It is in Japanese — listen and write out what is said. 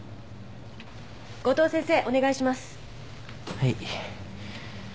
はい。